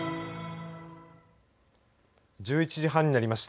１１時半になりました。